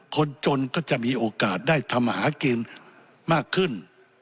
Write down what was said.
คนจนก็จะมีโอกาสได้ทำอาหารกินมากขึ้น